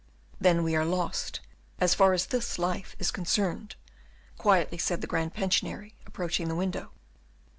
"Then we are lost, as far as this life is concerned," quietly said the Grand Pensionary, approaching the window.